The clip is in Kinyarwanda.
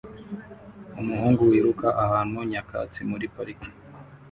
Umuhungu wiruka ahantu nyakatsi muri parike